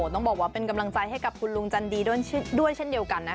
ต้องบอกว่าเป็นกำลังใจให้กับคุณลุงจันดีด้วยเช่นเดียวกันนะคะ